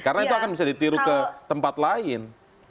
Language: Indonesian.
karena itu akan bisa ditiru ke tempat lain